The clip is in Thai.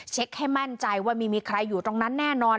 เช็กให้แม่นใจว่ามีไม่ใครอยู่ตรงนั้นแน่นอน